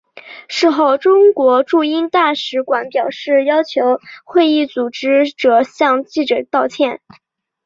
事后中国驻英国大使馆表示要求会议组织者向记者道歉。